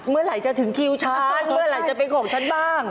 เมื่อไหร่จะถึงคิวฉันเมื่อไหร่จะเป็นของฉันบ้าง